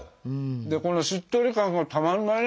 でこのしっとり感がたまんないね。